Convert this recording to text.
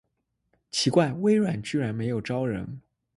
奇怪，微软居然没有招人